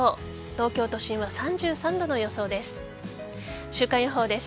東京都心は３３度の予想です。